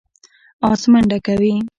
آس منډه کوي.